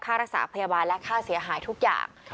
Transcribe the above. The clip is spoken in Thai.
ค่ารักษาพยาบาลและค่าเสียหายทุกอย่าง